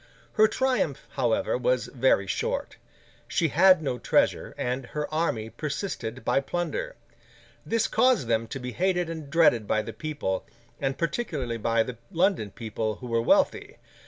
Her triumph, however, was very short. She had no treasure, and her army subsisted by plunder. This caused them to be hated and dreaded by the people, and particularly by the London people, who were wealthy.